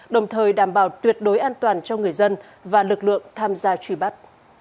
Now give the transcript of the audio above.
đồng thời đảm bảo tuyệt đối an toàn cho người dân và lực lượng tham gia truy bắt